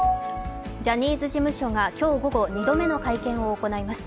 ジャニーズ事務所が今日午後、２度目の会見を行います。